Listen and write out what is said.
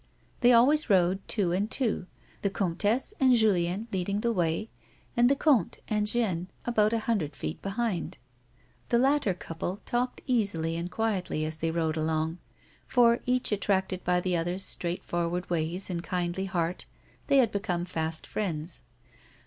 They always rode two and two, the comtesse and Julien leading the way, and the comte and Jeanne about a hundred feet behind. The latter couple talked easily and quietly as they rode along, for, each attracted by the other's straight forward ways and kindly heart, they had become fast friends.